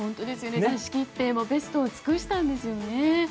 出し切ってベストを尽くしたんですね。